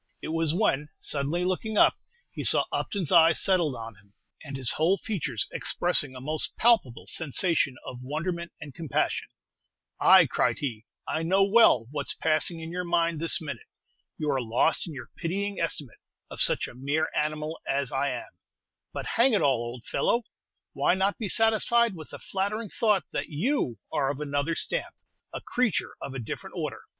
It was when, suddenly looking up, he saw Upton's eyes settled on him, and his whole features expressing a most palpable sensation of wonderment and compassion. "Ay," cried he, "I know well what's passing in your mind this minute. You are lost in your pitying estimate of such a mere animal as I am; but, hang it all, old fellow, why not be satisfied with the flattering thought that you are of another stamp, a creature of a different order?"